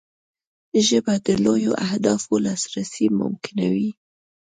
ژبه د لویو اهدافو لاسرسی ممکنوي